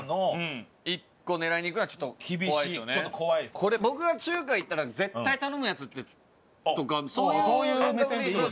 これ僕が中華行ったら絶対頼むやつとかそういう感覚で。